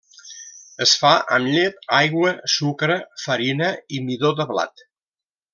Es fa amb llet, aigua, sucre, farina i midó de blat.